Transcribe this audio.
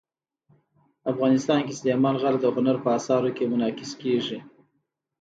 افغانستان کې سلیمان غر د هنر په اثارو کې منعکس کېږي.